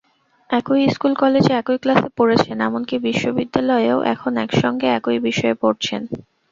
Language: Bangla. একই স্কুল-কলেজে একই ক্লাসে পড়েছেন, এমনকি বিশ্ববিদ্যালয়েও এখন একসঙ্গে একই বিষয়ে পড়ছেন।